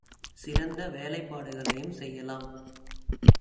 சிறந்த வேலைப்பாடுகளையும் செய்யலாம்.